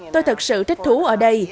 tôi thật sự thích thú ở đây